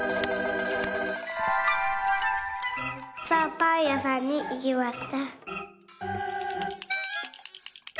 「パンやさんにいきました」。